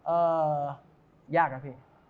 เอ่อยากนะสิ